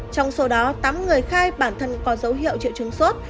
trong số đó tám người khai bản thân có dấu hiệu triệu chứng sốt